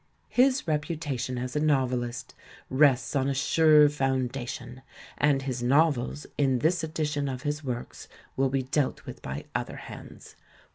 His reputation as a novelist rests on a sure foun dation, and his novels in this edition of his works will be dealt with by other hands.